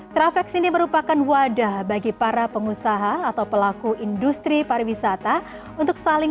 travex ini merupakan wadah bagi para pengusaha atau pelaku industri pariwisata untuk saling